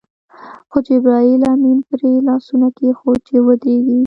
خو جبرائیل امین پرې لاس کېښود چې ودرېږي.